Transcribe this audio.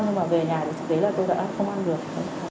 nhưng mà về nhà thì thực tế là tôi đã không ăn được